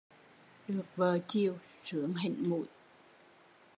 Được vợ chìu sướng hỉnh mũi